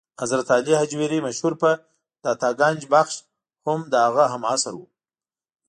حضرت علي هجویري مشهور په داتا ګنج بخش هم د هغه هم عصر و.